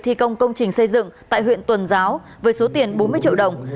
thi công công trình xây dựng tại huyện tuần giáo với số tiền bốn mươi triệu đồng